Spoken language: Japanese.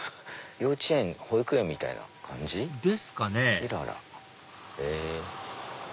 幼稚園保育園みたいな感じ？ですかねえ。